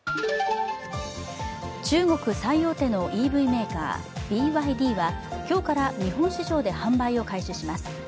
中国最大手のＥＶメーカーＢＹＤは今日から日本市場で販売を開始します。